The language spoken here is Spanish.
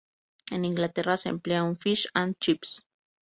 En Inglaterra se emplea en fish and chips.